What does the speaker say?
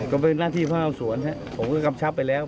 ก็เป็นหน้าที่พนักงานสวนผมก็กำชับไปแล้ว